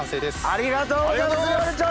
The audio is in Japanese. ありがとうございます料理長。